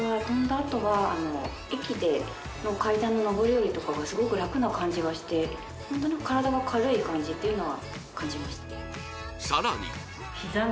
あとは駅での階段の上り下りとかもすごく楽な感じがしてホントに体が軽い感じっていうのは感じました